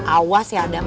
awas ya adam